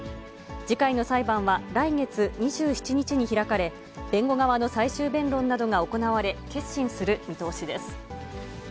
次回の裁判は来月２７日に開かれ、弁護側の最終弁論などが行われ、結審する見通しです。